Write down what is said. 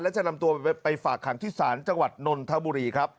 และจะนำตัวไปฝากขังที่ศาลจังหวัดนนทบุรีครับ